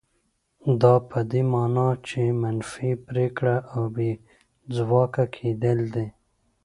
دا په دې مانا چې منفي پرېکړه او بې ځواکه کېدل دي.